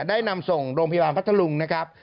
ได้นำส่งโรงพยาบาลพัทธลุงนะครับ